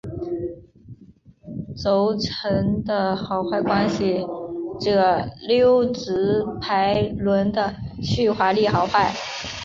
轴承的好坏关系着溜直排轮的续滑力好坏。